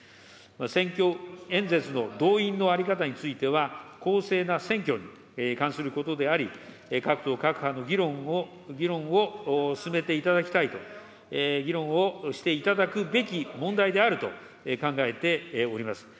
選挙演説の動員の在り方については、公正な選挙に関することであり、各党各派の議論を進めていただきたいと、議論をしていただくべき問題であると考えております。